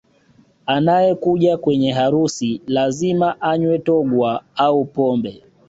Anayekuja kwenye harusi lazima anywe Togwa au Pombe